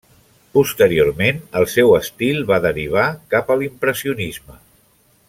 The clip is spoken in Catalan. Posteriorment, el seu estil va derivar cap a l'impressionisme.